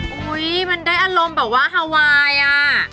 อุ๊ยมันได้อารมณ์แบบว่าฮาไวน์อ่ะ